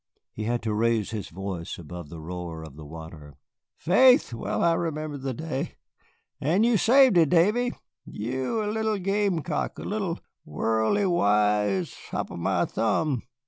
He had to raise his voice above the roar of the water. "Faith, well I remember the day. And you saved it, Davy, you, a little gamecock, a little worldly wise hop o' my thumb, eh?